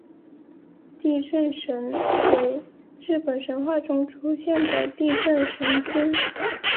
地震神为日本神话中出现的地震神只。